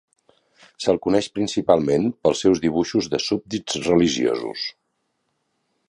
Se'l coneix principalment pels seus dibuixos de súbdits religiosos.